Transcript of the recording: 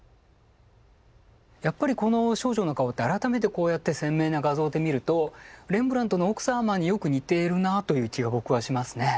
やっぱりこの少女の顔を改めてこうやって鮮明な画像で見るとレンブラントの奥様によく似ているなという気が僕はしますね。